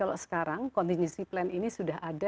tapi kalau sekarang kontinusi plan ini sudah ada